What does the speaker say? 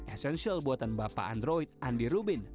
esensial buatan bapak android andy rubin